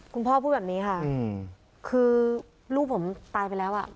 พูดแบบนี้ค่ะคือลูกผมตายไปแล้วอ่ะ